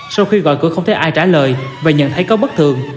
sau khi gọi cửa không thấy ai trả lời và nhận thấy có bất thường